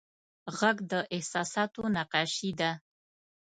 غږ د احساساتو نقاشي ده